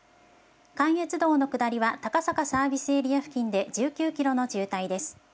関越道の下りは、高坂サービスエリア付近で１９キロの渋滞です。